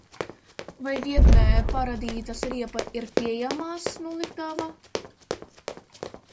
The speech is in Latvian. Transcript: Vai vietnē parādītās riepa ir pieejamas noliktavā?